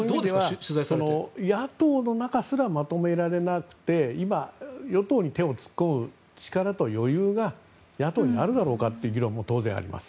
野党の中すらまとめられなくて今、与党に手を突っ込む力と余裕が野党にあるだろうかという議論も当然あります。